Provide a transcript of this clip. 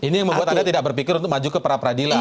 ini yang membuat anda tidak berpikir untuk maju ke pra peradilan